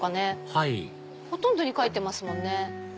はいほとんどに書いてますもんね。